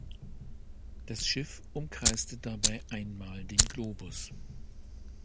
Das Schiff umkreiste dabei einmal den Globus.